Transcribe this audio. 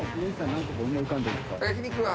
何個か思い浮かんでるんですか？